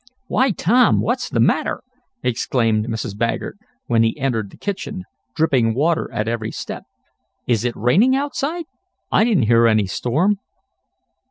"Why Tom, what's the matter?" exclaimed Mrs. Baggert, when he entered the kitchen, dripping water at every step. "Is it raining outside? I didn't hear any storm."